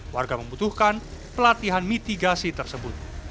warga membutuhkan pelatihan mitigasi tersebut